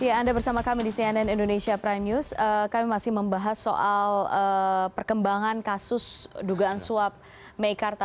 ya anda bersama kami di cnn indonesia prime news kami masih membahas soal perkembangan kasus dugaan suap meikarta